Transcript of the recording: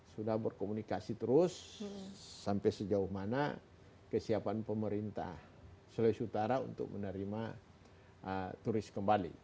sudah berkomunikasi terus sampai sejauh mana kesiapan pemerintah sulawesi utara untuk menerima turis kembali